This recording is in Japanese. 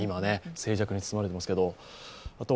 静寂に包まれていますけれども。